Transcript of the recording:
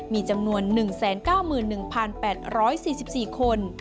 มีจำนวน๑๙๑๘๔๔คน